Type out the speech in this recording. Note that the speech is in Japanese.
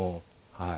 はい。